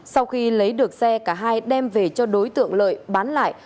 sau khi lấy được xe cả hai đem về cho đối tượng lợi bán lại